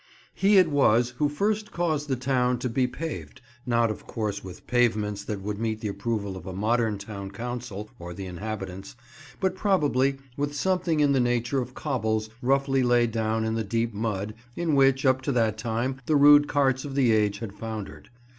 He it was who first caused the town to be paved; not, of course, with pavements that would meet the approval of a modern town council or the inhabitants, but probably with something in the nature of cobbles roughly laid down in the deep mud in which, up to that time, the rude carts of the age had foundered.